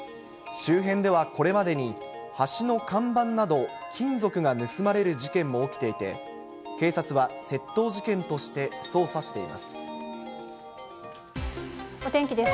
周辺ではこれまでに、橋の看板など、金属が盗まれる事件も起きていて、警察は窃盗事件として捜査していお天気です。